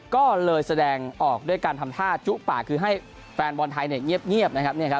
ก็เลยแสดงออกด้วยการทำท่าจุปากคือให้แฟนบอลไทยเงียบนะครับ